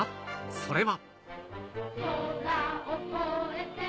それは。